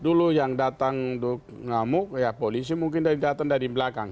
dulu yang datang ngamuk ya polisi mungkin datang dari belakang